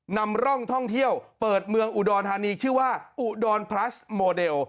นำร่องท่องเที่ยวเปิดเมืองอุดรธานีชื่อว่าอุดรพลัสโมเดล